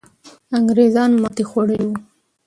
انګریزان ماتې خوړلې وو.